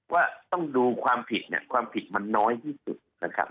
ว่าต้องดูความผิดเนี่ยความผิดมันน้อยที่สุดนะครับ